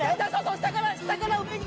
下から、下から上に。